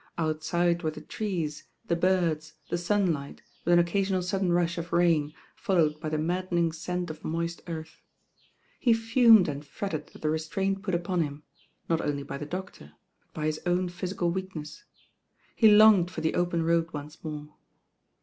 Outside were the trees, the birds, the sunlight, with an occasional sudden rush of rain, followed by the maddening scent of moist earth. He fumed and fretted at the restraint put upon him, not only by the doctor; but by his own physical weakness. He longed for the open road once more.